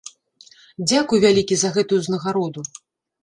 Дзякуй вялікі за гэтую ўзнагароду.